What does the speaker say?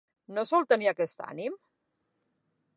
No sol tenir aquest ànim?